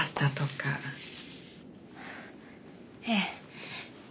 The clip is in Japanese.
ええ。